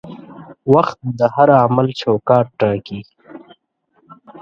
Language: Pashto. وخت د هر عمل چوکاټ ټاکي.